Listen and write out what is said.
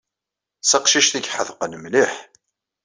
D taqcict ay iḥedqen mliḥ.